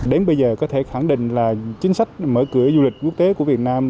đến bây giờ có thể khẳng định là chính sách mở cửa du lịch quốc tế của việt nam